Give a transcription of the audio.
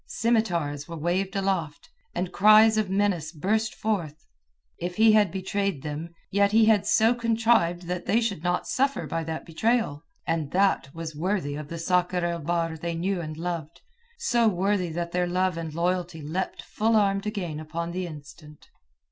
Scimitars were waved aloft, and cries of menace burst forth. If he had betrayed them, yet he had so contrived that they should not suffer by that betrayal. And that was worthy of the Sakr el Bahr they knew and loved; so worthy that their love and loyalty leapt full armed again upon the instant.